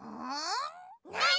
なに？